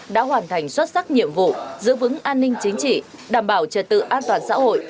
đã hoàn thành xuất sắc nhiệm vụ giữ vững an ninh chính trị đảm bảo trật tự an toàn xã hội